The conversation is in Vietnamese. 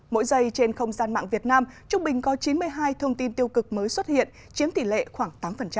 mỗi giây trên không gian mạng việt nam trung bình có chín mươi hai thông tin tiêu cực mới xuất hiện chiếm tỷ lệ khoảng tám